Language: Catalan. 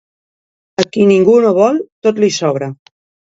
A qui ningú no vol, tot li sobra.